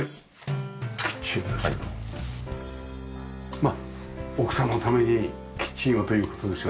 まあ奥様のためにキッチンはという工夫ですよね。